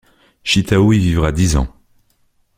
Shitao y vivra dix ans.